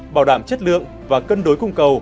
bảo đảm chất lượng và cân đối cung cầu